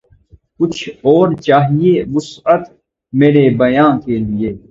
کچھ اور چاہیے وسعت مرے بیاں کے لیے